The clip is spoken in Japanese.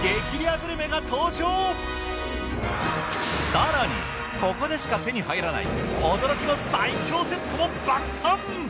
更にここでしか手に入らない驚きの最強セットも爆誕！